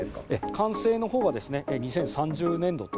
完成のほうがですね、２０３０年度と。